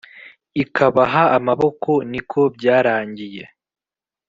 ikabaha amaboko, niko byarangiye.